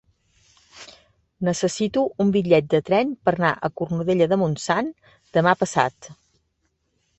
Necessito un bitllet de tren per anar a Cornudella de Montsant demà passat.